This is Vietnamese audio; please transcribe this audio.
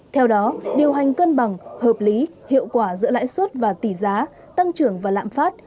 theo đó điều hành cân bằng hợp lý hiệu quả giữa lãi suất và tỷ giá tăng trưởng và lạm phát